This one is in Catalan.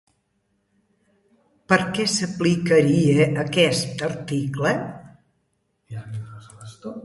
Per què s'aplicaria aquest article?